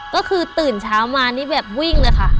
ก็คือตื่นเช้ามานี่แบบวิ่งเลยค่ะ